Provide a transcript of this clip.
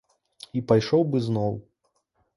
І пайшоў бы зноў.